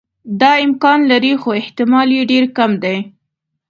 دا امکان لري خو احتمال یې ډېر کم دی.